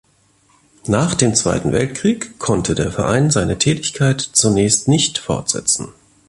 Nach dem Zweiten Weltkrieg konnte der Verein seine Tätigkeit zunächst nicht fortsetzen.